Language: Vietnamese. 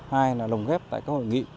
hai là lồng ghép tại các hội nghị